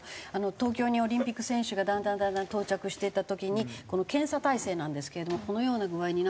東京にオリンピック選手がだんだんだんだん到着していった時にこの検査体制なんですけれどもこのような具合になっていて。